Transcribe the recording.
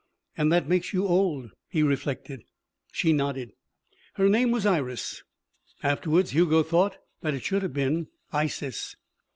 "And that makes you old," he reflected. She nodded. Her name was Iris. Afterwards Hugo thought that it should have been Isis.